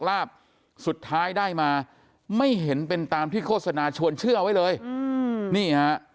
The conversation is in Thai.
ลาบสุดท้ายได้มาไม่เห็นเป็นตามที่โฆษณาชวนเชื่อไว้เลยอืมนี่ฮะ